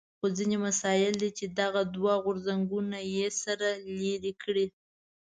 خو ځینې مسایل دي چې دغه دوه غورځنګونه یې سره لرې کړي.